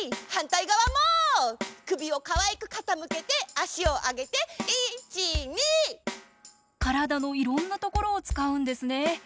はんたいがわも首をかわいくかたむけてあしをあげて「いち、に！」。体のいろんなところをつかうんですね！